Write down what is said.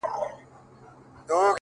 • چي هر څومره یې خوړلای سوای د ده وه ,